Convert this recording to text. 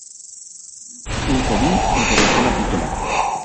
Infobee-Información apícola